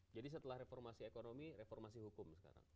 jadi setelah reformasi ekonomi reformasi hukum sekarang